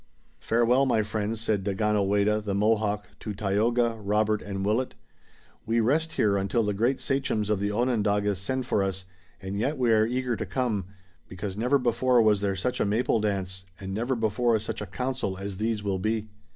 "Farewell, my friends," said Daganoweda, the Mohawk, to Tayoga, Robert and Willet. "We rest here until the great sachems of the Onondagas send for us, and yet we are eager to come, because never before was there such a Maple Dance and never before such a council as these will be."